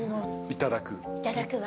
いただくわ。